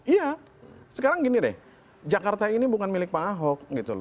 iya sekarang gini deh jakarta ini bukan milik pak ahok gitu loh